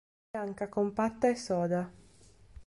Bianca compatta e soda.